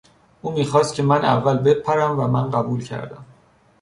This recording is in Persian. او میخواست که من اول بپرم و من قبول کردم.